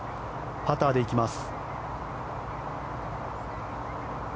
パターで行きます。